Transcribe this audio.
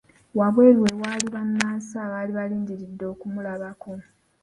Wabweru we waali bannansi abaali bamulindiridde okumulabako.